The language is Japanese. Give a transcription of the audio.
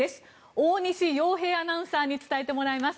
大西洋平アナウンサーに伝えてもらいます。